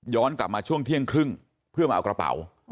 กลับมาช่วงเที่ยงครึ่งเพื่อมาเอากระเป๋า